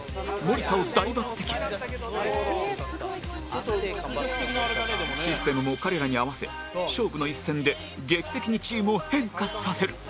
すごい」システムも彼らに合わせ勝負の一戦で劇的にチームを変化させる